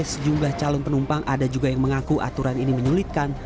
sejumlah calon penumpang ada juga yang mengaku aturan ini menyulitkan